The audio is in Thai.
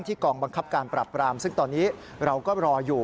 กองบังคับการปรับปรามซึ่งตอนนี้เราก็รออยู่